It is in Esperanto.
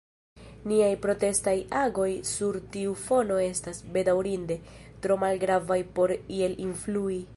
Niaj protestaj agoj sur tiu fono estas, bedaŭrinde, tro malgravaj por iel influi.